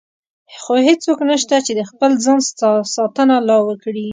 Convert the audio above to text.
خو هېڅوک نشته چې د خپل ځان ساتنه لا وکړي.